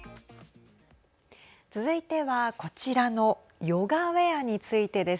続いてはこちらのヨガウエアについてです。